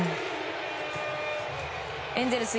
エンゼルス